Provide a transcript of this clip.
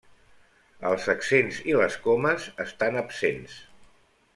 Els accents i les comes estan absents.